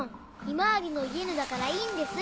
「ひまわりの家」のだからいいんです。